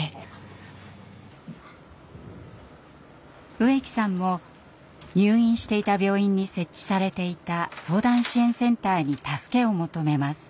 植木さんも入院していた病院に設置されていた相談支援センターに助けを求めます。